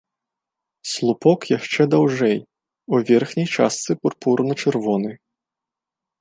Слупок яшчэ даўжэй, у верхняй частцы пурпурна-чырвоны.